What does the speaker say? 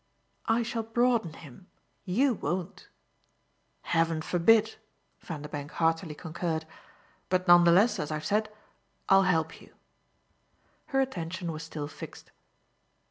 "I shall broaden him. YOU won't." "Heaven forbid!" Vanderbank heartily concurred. "But none the less, as I've said, I'll help you." Her attention was still fixed.